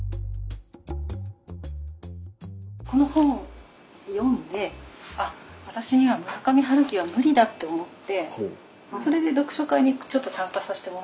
この本を読んであっ私には村上春樹は無理だって思ってそれで読書会にちょっと参加させてもらったんですね。